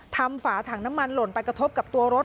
ฝาถังน้ำมันหล่นไปกระทบกับตัวรถ